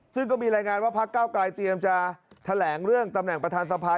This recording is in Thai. ซึ่งก็มีรายงานว่าพักเก้าไกรเตรียมจะแถลงเรื่องตำแหน่งประธานสภา